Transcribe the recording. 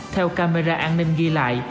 theo camera an ninh ghi lại